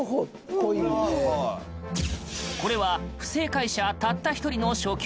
これは不正解者たった一人の初級問題。